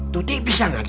tutik pisang aja